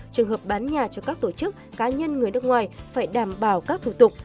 trường hợp bán nhà cho các tổ chức cá nhân người nước ngoài phải đảm bảo các thủ tục